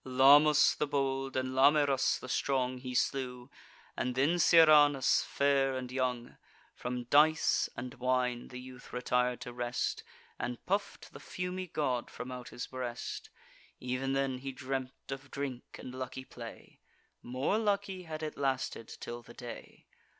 Lamus the bold, and Lamyrus the strong, He slew, and then Serranus fair and young. From dice and wine the youth retir'd to rest, And puff'd the fumy god from out his breast: Ev'n then he dreamt of drink and lucky play— More lucky, had it lasted till the day.